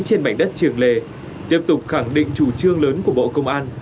trên mảnh đất trường lề tiếp tục khẳng định chủ trương lớn của bộ công an